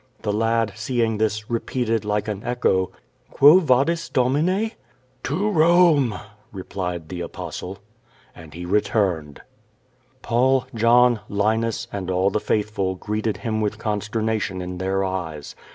The lad, seeing this, repeated like an echo: "Quo Vadis, Domine?" "To Rome," replied the Apostle. And he returned. Paul, John, Linus and all the faithful greeted him with consternation in their eyes.